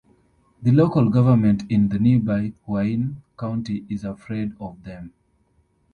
The local government in the nearby Huayin County is afraid of them.